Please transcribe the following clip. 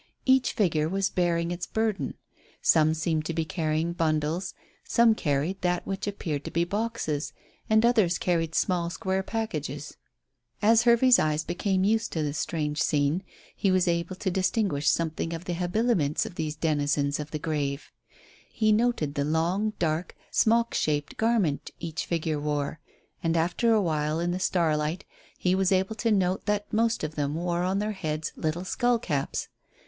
Each figure was bearing its burden. Some seemed to be carrying bundles, some carried that which appeared to be boxes, and others carried small square packages. As Hervey's eyes became used to the strange scene he was able to distinguish something of the habiliments of these denizens of the grave. He noted the long, dark, smock shaped garment each figure wore, and, after a while, in the starlight, he was able to note that most of them wore on their heads little skull caps.